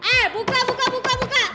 eh buka buka buka